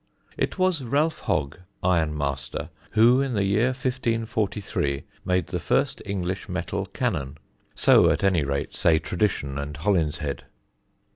It was Ralph Hogge, iron master, who in the year 1543 made the first English metal cannon. So at any rate say tradition and Holinshed.